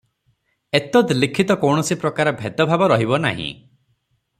ଏତଦ୍ଲିଖିତ କୌଣସି ପ୍ରକାର ଭେଦଭାବ ରହିବ ନାହିଁ ।